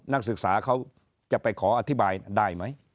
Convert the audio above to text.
นักศึกษาเขาจะไปขออธิบายได้ไหม